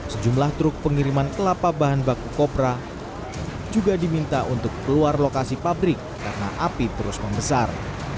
sejumlah truk pengiriman kelapa bahan baku kopra juga diminta untuk keluar lokasi pabrik karena api terus membesar